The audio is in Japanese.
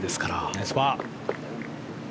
ナイスパー。